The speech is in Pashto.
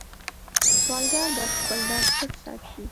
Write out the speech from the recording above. سوالګر د خپل درد پټ ساتي